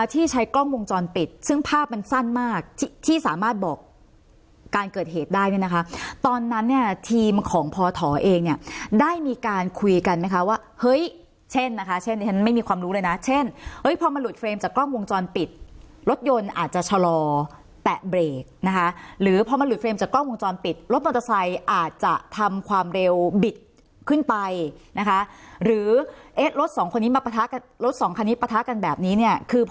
ที่ใช้กล้องวงจรปิดซึ่งภาพมันสั้นมากที่สามารถบอกการเกิดเหตุได้เนี่ยนะคะตอนนั้นเนี่ยทีมของพอถอเองเนี่ยได้มีการคุยกันไหมคะว่าเฮ้ยเช่นนะคะเช่นฉันไม่มีความรู้เลยนะเช่นเฮ้ยพอมันหลุดเฟรมจากกล้องวงจรปิดรถยนต์อาจจะชะลอแตะเบรกนะคะหรือพอมันหลุดเฟรมจากกล้องวงจรปิดรถมอเตอร์ไซ